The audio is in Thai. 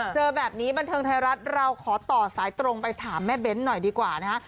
เจอแบบนี้บันเทิงไทยรัฐเราขอต่อสายตรงไปถามแม่เบ้นหน่อยดีกว่านะฮะ